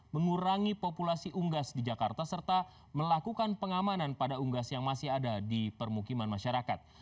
mengurangi populasi unggas di jakarta serta melakukan pengamanan pada unggas yang masih ada di permukiman masyarakat